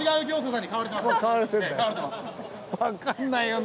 分かんないよな。